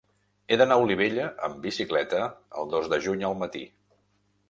He d'anar a Olivella amb bicicleta el dos de juny al matí.